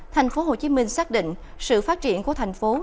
thành phố hồ chí minh xác định sự phát triển của thành phố